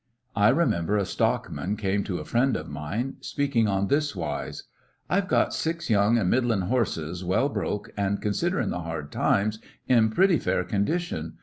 I remember, a stock man came to a friend of mine, speaking on this wise: "I 've got six young and middling horses, well broke and, considering the hard times, in pretty fair condition.